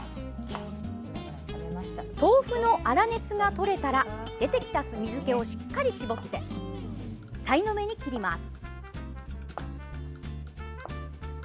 豆腐の粗熱が取れたら出てきた水けをしっかり絞ってさいの目に切ります。